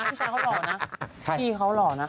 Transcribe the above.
พี่ชายเขาหล่อนะ